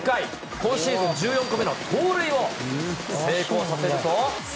今シーズン１４個目の盗塁を成功させると。